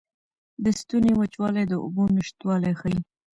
د ستوني وچوالی د اوبو نشتوالی ښيي.